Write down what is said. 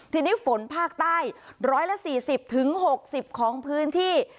ทีนี้ฝนภาคใต้ร้อยละสี่สิบถึงหกสิบของพื้นที่